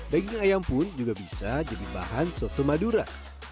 daging ayam pun juga bisa jadi bahan soto madura